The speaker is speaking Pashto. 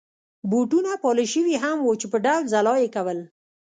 بوټونه پالش شوي هم وو چې یو ډول ځلا يې کول.